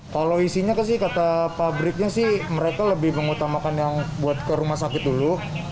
kalau isinya sih kata pabriknya sih mereka lebih mengutamakan yang buat ke rumah sakit dulu